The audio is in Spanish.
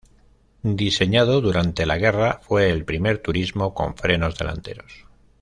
Diseñado durante la guerra, fue el primer turismo con frenos delanteros.